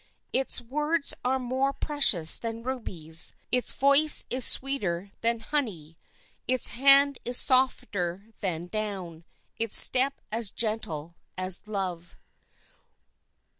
Its words are more precious than rubies; its voice is sweeter than honey; its hand is softer than down; its step as gentle as love.